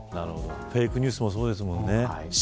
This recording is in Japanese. フェイクニュースもそうですもんね。